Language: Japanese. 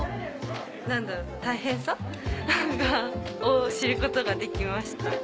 何だろう大変さ？を知ることができました。